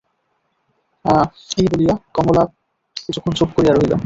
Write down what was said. এই বলিয়া কমলা কিছুক্ষণ চুপ করিয়া রহিল।